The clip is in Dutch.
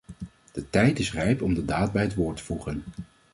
De tijd is rijp om de daad bij het woord te voegen.